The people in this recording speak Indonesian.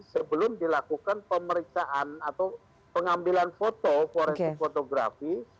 sebelum dilakukan pemeriksaan atau pengambilan foto forensik fotografi